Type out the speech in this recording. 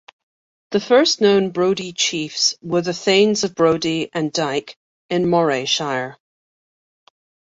The first known Brodie chiefs were the Thanes of Brodie and Dyke in Morayshire.